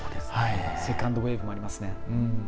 セカンドウェーブもあります。